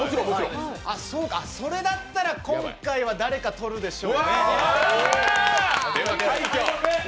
あ、そうか、それだったら今回は誰か取るでしょうね。